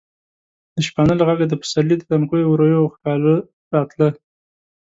د شپانه له غږه د پسرلي د تنکیو ورویو ښکالو راتله.